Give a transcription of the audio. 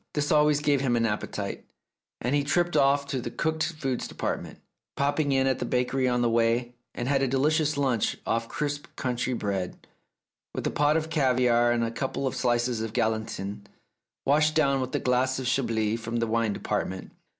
This always gave him an appetite, and he tripped off to the cooked foods department, popping in at the bakery on the way, and had a delicious lunch off crisp country bread, with a pot of caviare and a couple of slices of galantine, washed down with a glass of Chablis from the wine department.